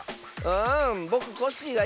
ん「ぼくコッシー」がいいよ。